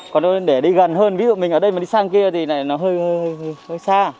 còn để đi gần hơn ví dụ mình ở đây mà đi sang kia thì nó hơi xa